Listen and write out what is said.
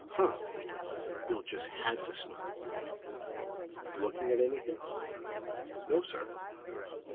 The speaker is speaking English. "Huh!" Bill just had to snort. "Looking at anything?" "No, sir."